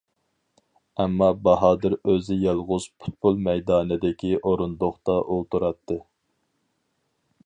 ئەمما باھادىر ئۆزى يالغۇز پۇتبول مەيدانىدىكى ئورۇندۇقتا ئولتۇراتتى.